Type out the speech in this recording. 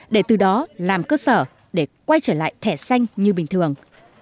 để từ đó làm cơ sở để quay trở lại thẻ xanh như bình thường